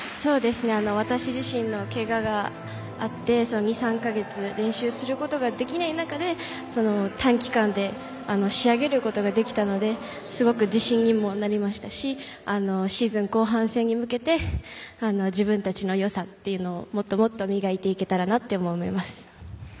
私自身のけががあって２３か月練習することができない中で短期間で仕上げることができてすごく自信にもなりましたしシーズン後半戦に向けて自分たちの良さというのをもっともっと磨いていけたらなと思います。